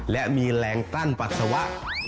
และมีแรงกลั้นปัสสาวะ